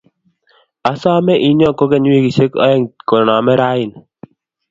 Asome inyoo kukeny wikisiek oeng' koname rauni